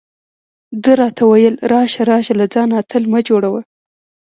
ده راته وویل: راشه راشه، له ځانه اتل مه جوړه.